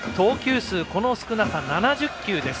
この少なさ、７０球です。